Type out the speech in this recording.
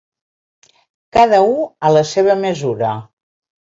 Cada u a la seva mesura.